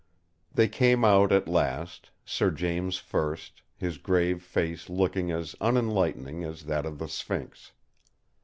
They came out at last, Sir James first, his grave face looking as unenlightening as that of the sphinx.